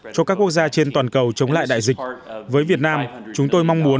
cho các quốc gia trên toàn cầu chống lại đại dịch với việt nam chúng tôi mong muốn